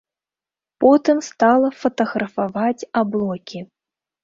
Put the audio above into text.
Потым стала фатаграфаваць аблокі.